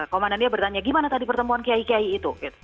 komandannya bertanya gimana tadi pertemuan kiai kiai itu